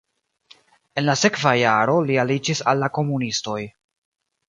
En la sekva jaro li aliĝis al la komunistoj.